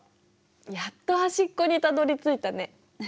やっと端っこにたどりついたね。